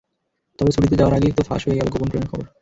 তবে ছুটিতে যাওয়ার আগেই তো ফাঁস হয়ে গেল গোপন প্রেমের খবর।